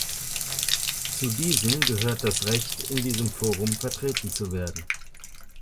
Zu diesen gehört das Recht, in diesem Forum vertreten zu werden.